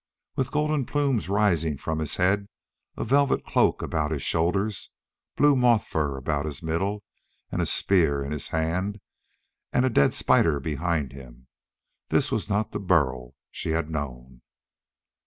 With golden plumes rising from his head, a velvet cloak about his shoulders, blue moth fur about his middle, and a spear in his hand and a dead spider behind him! this was not the Burl she had known.